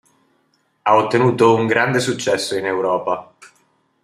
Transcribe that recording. Ha ottenuto un grande successo in Europa.